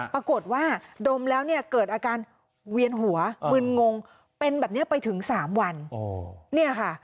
ปรากฏว่าดมแล้วเนี่ยเกิดอาการเวียนหัวมึนงงเป็นแบบนี้ไปถึง๓วันเนี่ยค่ะ